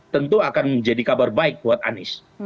tentu akan menjadi kabar baik buat anies